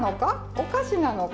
お菓子なのか？